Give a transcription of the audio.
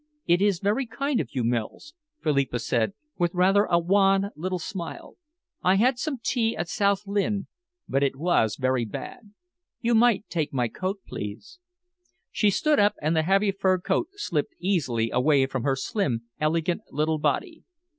"It is very kind of you, Mills," Philippa said, with rather a wan little smile. "I had some tea at South Lynn, but it was very bad. You might take my coat, please." She stood up, and the heavy fur coat slipped easily away from her slim, elegant little body.